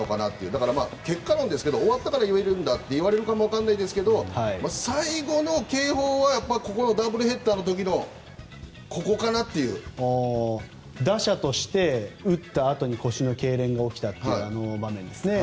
だから、結果論ですが終わったから言えるんだといわれるかもわからないですが最後の警報はここのダブルヘッダーの時の打者として打ったあとに腰のけいれんが起きたというあの場面ですね。